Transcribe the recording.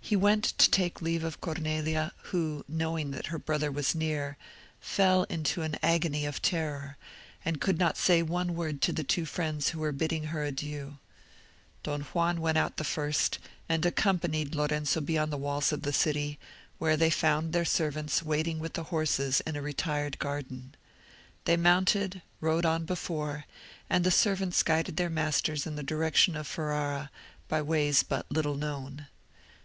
He went to take leave of Cornelia, who, knowing that her brother was near, fell into an agony of terror, and could not say one word to the two friends who were bidding her adieu. Don Juan went out the first, and accompanied Lorenzo beyond the walls of the city, where they found their servants waiting with the horses in a retired garden. They mounted, rode on before, and the servants guided their masters in the direction of Ferrara by ways but little known.